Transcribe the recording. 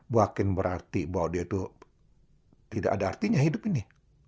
bahkan berarti bahwa dia itu tidak ada artinya hidup ini